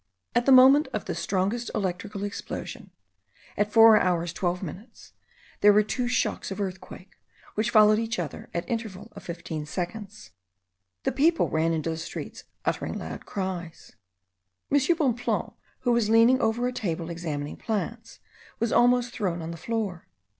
At the moment of the strongest electric explosion, at 4 hours 12 minutes, there were two shocks of earthquake, which followed each other at the interval of fifteen seconds. The people ran into the streets, uttering loud cries. M. Bonpland, who was leaning over a table examining plants, was almost thrown on the floor.